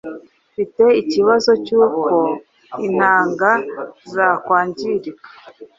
mpfite ikibazo cyuko intanga zakwangirika